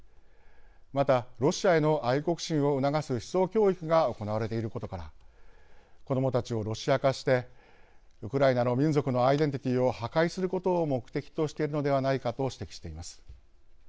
また、ロシアへの愛国心を促す思想教育が行われていることから子どもたちをロシア化してウクライナの民族のアイデンティティーを破壊することを目的としているのではないかと指摘しています。